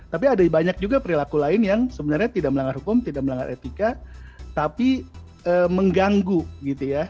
tapi ada banyak juga perilaku lain yang sebenarnya tidak melanggar hukum tidak melanggar etika tapi mengganggu gitu ya